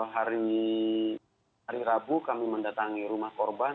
hari rabu kami mendatangi rumah korban